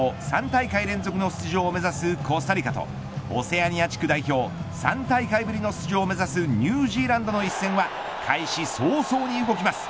３大会連続出場を目指すコスタリカとオセアニア地区代表３大会ぶりの出場を目指すニュージーランドの一戦は開始早々に動きます。